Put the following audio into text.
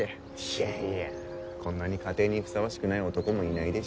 いやいやこんなに家庭にふさわしくない男もいないでしょ。